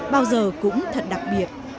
bao giờ cũng thật đặc biệt